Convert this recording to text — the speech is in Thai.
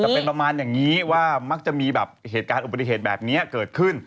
แต่เป็นประมาณอย่างนี้ว่ามักจะมีแบบเหตุการณ์อุบัติเหตุแบบนี้เกิดขึ้น